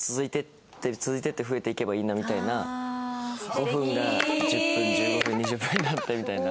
５分が１０分１５分２０分になってみたいな。